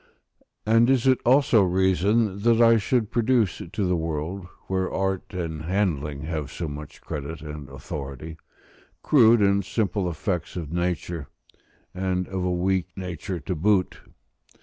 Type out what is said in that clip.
And is it also reason that I should produce to the world, where art and handling have so much credit and authority, crude and simple effects of nature, and of a weak nature to boot?